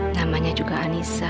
namanya juga anissa